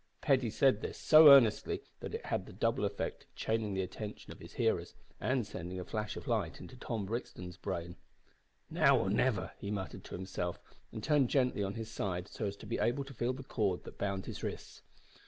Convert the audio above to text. Paddy said this so earnestly that it had the double effect of chaining the attention of his hearers and sending a flash of light into Tom Brixton's brain. "Now or never!" he muttered to himself, and turned gently on his side so as to be able to feel the cord that bound his wrists.